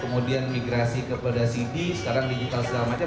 kemudian migrasi kepada city sekarang digital segala macam